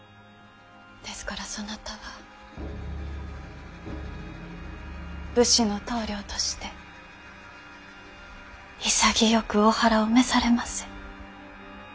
ですからそなたは武士の棟梁として潔くお腹を召されませ。